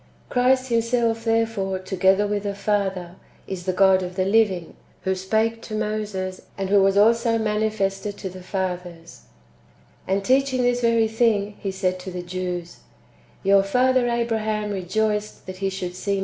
^ Christ Himself, therefore, together with the Father, is the God of the living, who spake to Moses, and w^ho was also manifested to the fathers. 3. And teaching this very thing, He said to the Jews :" Your father Abraham rejoiced that he should see my day ; 1 Matt. xxii. 29, etc. ; Ex. iii. 6.